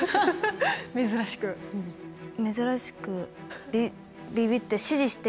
珍しくびびって指示して。